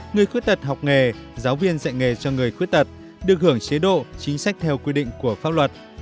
người khuyết tật học nghề giáo viên dạy nghề cho người khuyết tật được hưởng chế độ chính sách theo quy định của pháp luật